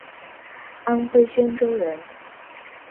安徽宣州人。